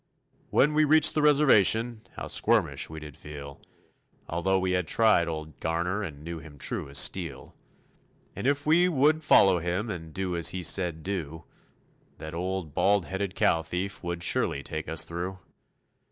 When we reached the Reservation, how squirmish we did feel, Although we had tried old Garner and knew him true as steel. And if we would follow him and do as he said do, That old bald headed cow thief would surely take us through.